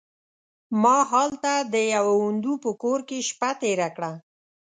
ما هلته د یوه هندو په کور کې شپه تېره کړه.